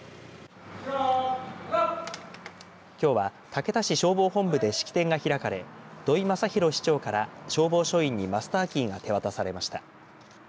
きょうは、竹田市消防本部で式典が開かれ土居昌弘市長から消防署員にマスターキーが手渡されました。